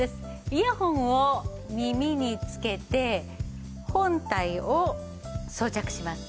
イヤホンを耳につけて本体を装着します。